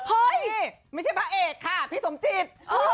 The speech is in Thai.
เฮ้ยไม่ใช่พระเอกค่ะพี่สมจิต